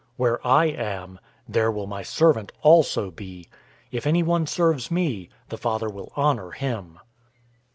Where I am, there will my servant also be. If anyone serves me, the Father will honor him.